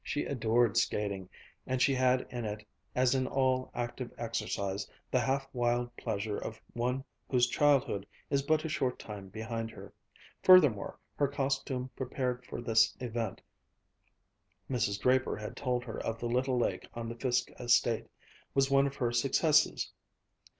She adored skating, and she had in it, as in all active exercise, the half wild pleasure of one whose childhood is but a short time behind her. Furthermore, her costume prepared for this event (Mrs. Draper had told her of the little lake on the Fiske estate) was one of her successes.